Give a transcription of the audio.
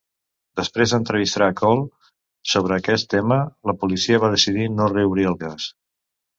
Després d'entrevistar Cole sobre aquest tema, la policia va decidir no reobrir el cas.